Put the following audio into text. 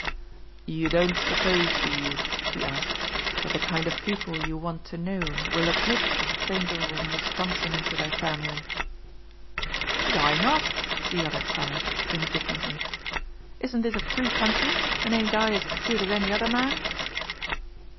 "You don't suppose, do you," he asked, "that the kind of people you want to know will admit a stranger from Wisconsin into their family?" "Why not?" the other cried, indignantly. "Isn't this a free country and ain't I as good as any other man?"